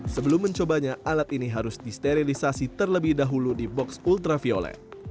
sebelum mencobanya alat ini harus disterilisasi terlebih dahulu di box ultraviolet